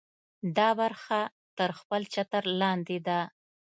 دا برخه تر خپل چتر لاندې ده.